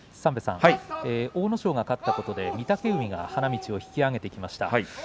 阿武咲が勝ったことで御嶽海が花道を引き揚げてきました。